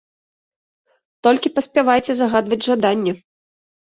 Толькі паспявайце загадваць жаданні.